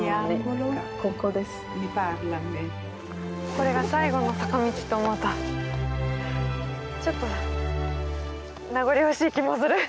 これが最後の坂道と思うとちょっと名残惜しい気もする。